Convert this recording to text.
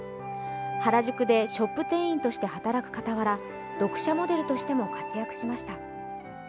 原宿でショップ店員として働く傍ら読者モデルとしても活躍しました。